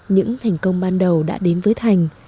những thành công ban đầu đã đến với thành